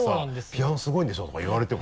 「ピアノすごいんでしょ？」とか言われてもね。